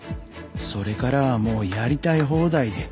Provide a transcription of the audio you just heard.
それからはもうやりたい放題で。